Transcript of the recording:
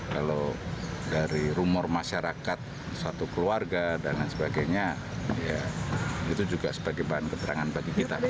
kalau dari rumor masyarakat satu keluarga dan lain sebagainya itu juga sebagai bahan keterangan bagi kita